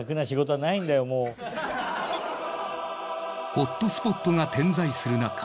ホットスポットが点在するなか